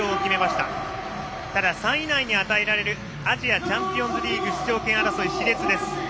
ただ、３位以内に与えられるアジアチャンピオンズリーグ出場権争いはしれつです。